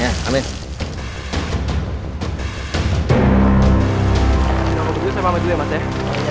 jangan lupa berdiri sama saya dulu ya mas ya